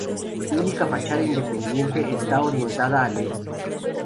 Su única fachada independiente está orientada al Este.